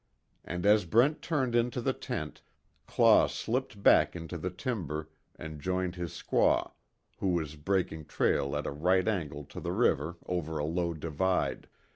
And as Brent turned into the tent, Claw slipped back into the timber and joined his squaw who was breaking trail at a right angle to the river over a low divide.